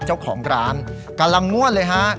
เจ้าของร้านกำลังง่วนเลยฮะ